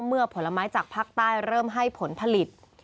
ผลไม้จากภาคใต้เริ่มให้ผลผลิต